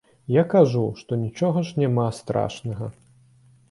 Я кажу, што нічога ж няма страшнага.